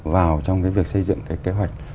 vào trong cái việc xây dựng cái kế hoạch